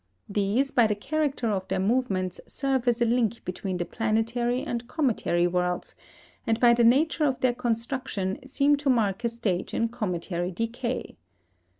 These, by the character of their movements, serve as a link between the planetary and cometary worlds, and by the nature of their construction, seem to mark a stage in cometary decay.